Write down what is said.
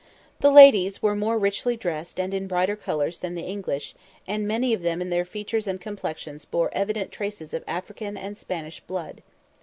The ladies were more richly dressed and in brighter colours than the English, and many of them in their features and complexions bore evident traces of African and Spanish blood.